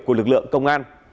của lực lượng công an